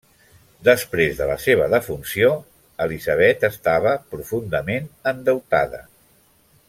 Després de la seva defunció, Elisabet estava profundament endeutada.